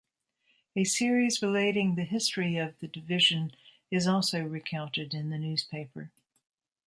A series relating the history of the division is also recounted in the newspaper.